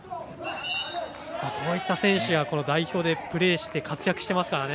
そういった選手が代表でプレーして活躍していますからね。